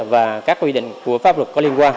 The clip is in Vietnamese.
và các quy định của pháp luật